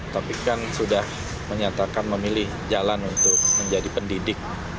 tapi kan sudah menyatakan memilih jalan untuk menjadi pendidik